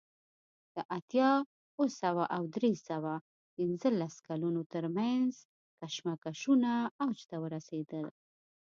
د اتیا اوه سوه او درې سوه پنځلس کلونو ترمنځ کشمکشونه اوج ته ورسېدل